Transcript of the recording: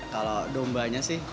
kalau dombanya sih